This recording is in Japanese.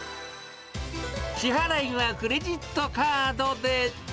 支払いはクレジットカードで。